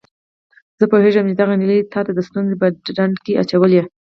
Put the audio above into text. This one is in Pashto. زه پوهیږم چي دغه نجلۍ تا د ستونزو په ډنډ کي اچولی.